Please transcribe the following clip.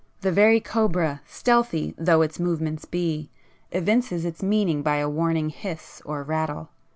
The very cobra, stealthy though its movements be, evinces its meaning by a warning hiss or rattle.